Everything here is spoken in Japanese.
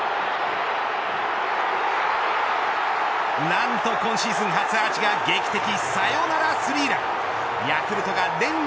何と今シーズン初アーチが劇的サヨナラスリーラン。